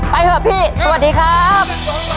เถอะพี่สวัสดีครับ